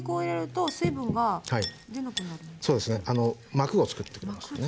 膜をつくってくれますね。